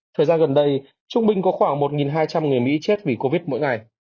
thời gian gần đây trung bình có khoảng một hai trăm linh người mỹ chết vì covid mỗi ngày